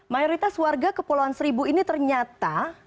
mayoritas warga kepulauan seribu ini ternyata